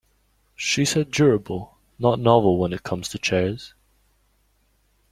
She said durable not novel when it comes to chairs.